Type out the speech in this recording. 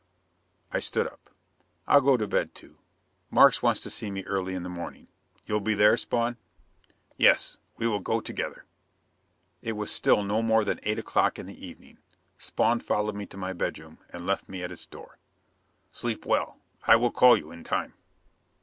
I stood up. "I'll go to bed, too. Markes wants to see me early in the morning. You'll be there, Spawn?" "Yes. We will go together." It was still no more than eight o'clock in the evening. Spawn followed me to my bedroom, and left me at its door. "Sleep well. I will call you in time."